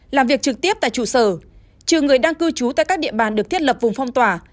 làm việc trực tiếp tại trụ sở trừ người đang cư trú tại các địa bàn được thiết lập vùng phong tỏa